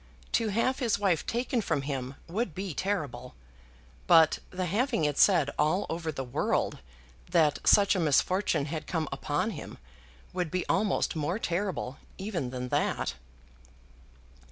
To have his wife taken from him would be terrible, but the having it said all over the world that such a misfortune had come upon him would be almost more terrible even than that.